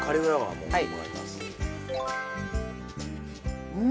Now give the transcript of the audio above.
はい。